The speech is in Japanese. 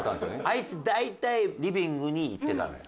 あいつ大体リビングに行ってたのよ。